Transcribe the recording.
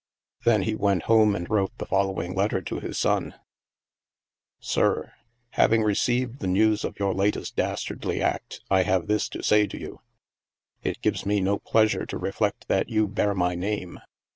Then he went home and wrote the following letter to his son : Sir: Having received the news of your latest das tardly act, I have this to say to you : It gives me no pleasure to reflect that you bear my name.